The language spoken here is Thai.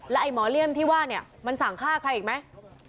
ไอ้หมอเลี่ยมที่ว่าเนี่ยมันสั่งฆ่าใครอีกไหม